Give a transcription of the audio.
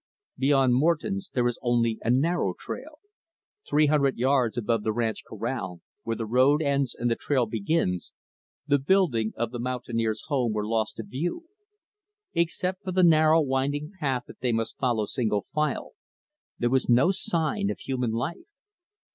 Beyond Morton's, there is only a narrow trail. Three hundred yards above the ranch corral, where the road ends and the trail begins, the buildings of the mountaineer's home were lost to view. Except for the narrow winding path that they must follow single file, there was no sign of human life.